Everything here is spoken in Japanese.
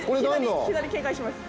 私左左警戒します